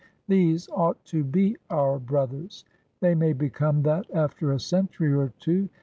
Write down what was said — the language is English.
These ought to be our brothers? They may become that after a century or two.